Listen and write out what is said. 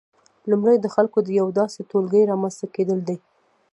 لومړی د خلکو د یو داسې ټولګي رامنځته کېدل دي